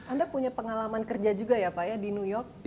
anda punya pengalaman kerja juga ya pak ya di new york